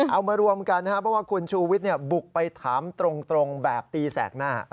เอามารวมกันนะครับเพราะว่าคุณชูวิทย์บุกไปถามตรงแบบตีแสกหน้า